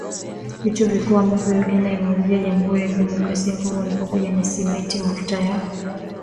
Vitu vikuu ambavyo Uganda inaiuzia Jamuhuri ya Demokrasia ya Kongo ni pamoja na Simenti mafuta ya mawese mchele sukari